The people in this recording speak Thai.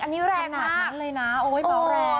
ต้องแข็งขนาดนั้นเลยนะเอาไว้เบาแรง